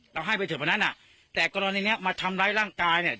ให้ไปเถอะวันนั้นอ่ะแต่กรณีเนี้ยมาทำร้ายร่างกายเนี่ย